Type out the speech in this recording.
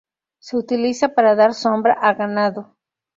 Se utiliza para dar sombra a ganado.